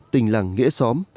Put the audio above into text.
tình làng nghệ xóm